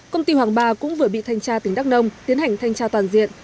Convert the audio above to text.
công ty hoàng ba cũng vừa bị thanh tra tỉnh đắk nông tiến hành thanh tra toàn diện